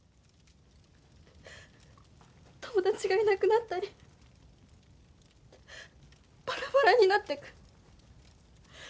友達がいなくなったりばらばらになってく。